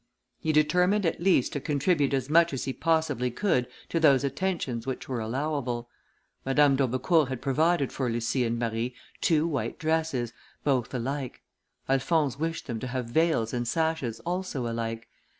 He determined at least to contribute as much as he possibly could to those attentions which were allowable. Madame d'Aubecourt had provided for Lucie and Marie two white dresses, both alike; Alphonse wished them to have veils and sashes also alike.